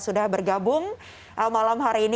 sudah bergabung malam hari ini